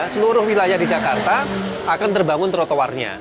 seluruh wilayah di jakarta akan terbangun trotoarnya